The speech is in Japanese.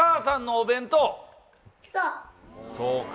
そうか。